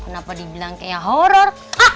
kenapa dibilang kayak horor